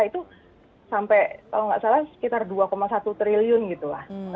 itu sampai kalau nggak salah sekitar dua satu triliun gitu lah